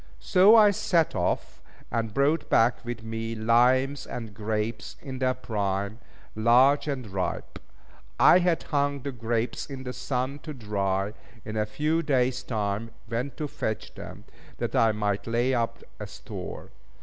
So I set off, and brought back with me limes and grapes in their prime, large and ripe. I had hung the grapes in the sun to dry, and in a few days' time went to fetch them, that I might lay up a store.